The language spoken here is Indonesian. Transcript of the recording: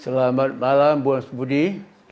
selamat malam buya syafiee